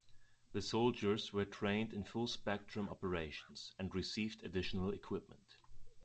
The soldiers were trained in full spectrum operations and received additional equipment.